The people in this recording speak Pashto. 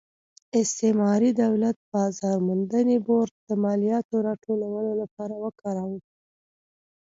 استعماري دولت بازار موندنې بورډ د مالیاتو راټولولو لپاره وکاراوه.